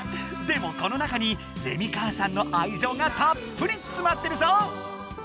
でもこの中にレミ母さんの愛情がたっぷりつまってるぞ！